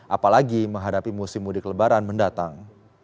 apalagi menghadapi musim mudik lebaran mendatang